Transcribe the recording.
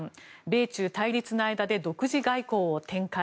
米中対立の間で独自外交を展開。